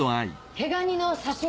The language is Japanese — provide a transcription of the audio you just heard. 毛ガニの刺身？